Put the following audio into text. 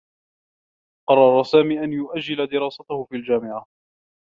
قرّر سامي أن يؤجّل دراسته في الجامعة.